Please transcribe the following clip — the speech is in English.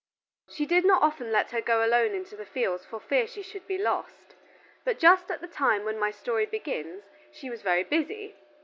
She did not of ten let her go alone into the fields for fear she should be lost. But just at the time when my story begins she was very busy.